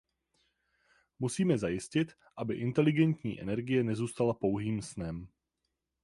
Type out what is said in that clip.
Musíme zajistit, aby inteligentní energie nezůstala pouhým snem.